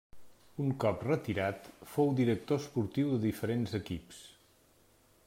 Un cop retirat, fou director esportiu de diferents equips.